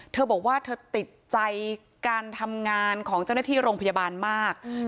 เธอบอกว่าเธอติดใจการทำงานของเจ้าหน้าที่โรงพยาบาลมาก